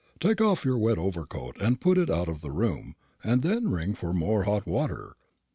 Take off your wet overcoat and put it out of the room, and then ring for more hot water.